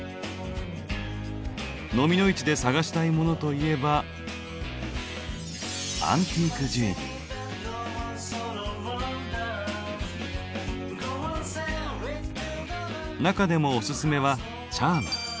のみの市で探したいモノといえば中でもお薦めはチャーム。